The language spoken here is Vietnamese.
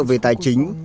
về tài chính